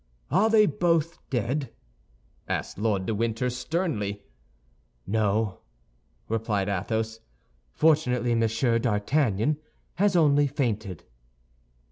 "Are they both dead?" asked Lord de Winter, sternly. "No," replied Athos, "fortunately Monsieur d'Artagnan has only fainted."